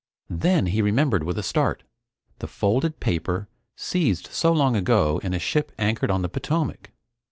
Then he remembered with a start the folded paper seized so long ago in a ship anchored on the Potomac.